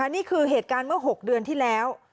นี่คือเหตุการณ์เมื่อ๖เดือนที่แล้ว